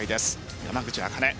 山口茜。